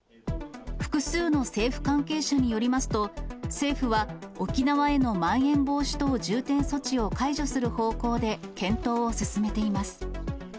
複数の政府関係者によりますと、政府は沖縄へのまん延防止等重点措置を解除する方向で検討を進めています。